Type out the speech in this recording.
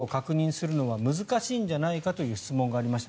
ジャニーズＪｒ．に在籍したことを確認するのは難しいんじゃないかという質問がありました。